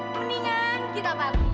mendingan kita pergi